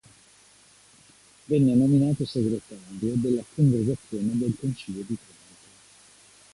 Venne nominato segretario della Congregazione del Concilio di Trento.